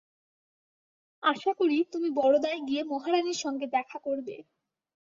আশা করি, তুমি বরোদায় গিয়ে মহারাণীর সঙ্গে দেখা করবে।